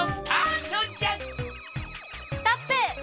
ストップ！